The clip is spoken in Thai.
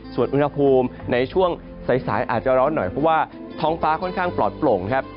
ส่วนอุณหภูมิในช่วงสายอาจจะร้อนหน่อยเพราะว่าท้องฟ้าค่อนข้างปลอดโปร่งครับ